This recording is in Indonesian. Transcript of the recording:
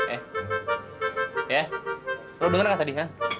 eh ya lo denger ga tadi